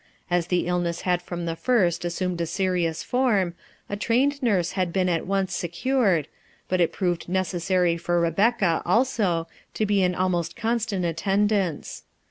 As ft illness had from the first assumed a serious f orTn a trained nurse had been at once secured, but '[ proved necessary for Rebecca, also, to be i almost constant attendance.